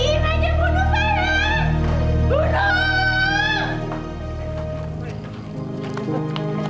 saya ingin dimatikan